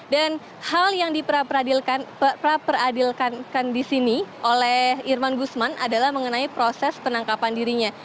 dan hal yang di pra peradilkan di sini oleh irman gusman adalah mengenai proses penangkapan dirinya